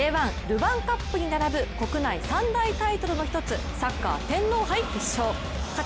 Ｊ１、ルヴァンカップに並ぶ国内三大タイトルの一つサッカー天皇杯決勝。